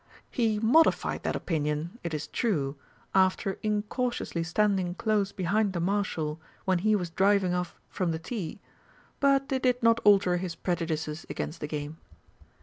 He modified that opinion, it is true, after incautiously standing close behind the Marshal when he was driving off from the tee, but it did not alter his prejudices against the game.